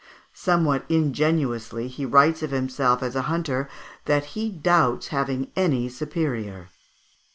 Somewhat ingenuously he writes of himself as a hunter, "that he doubts having any superior."